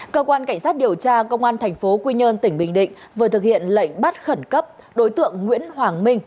cơ quan cảnh sát điều tra công an thành phố quy nhơn tỉnh bình định vừa thực hiện lệnh bắt khẩn cấp đối tượng nguyễn hoàng minh